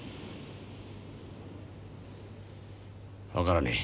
分からねえ。